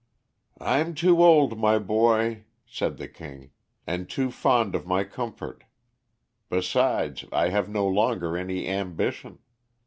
"I'm too old, my boy," said the King, "and too fond of my comfort; besides, I have no longer any ambition.